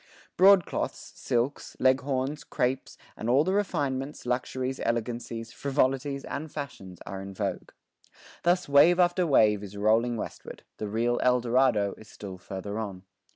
Broadcloths, silks, leghorns, crapes, and all the refinements, luxuries, elegancies, frivolities, and fashions are in vogue. Thus wave after wave is rolling westward; the real Eldorado is still farther on.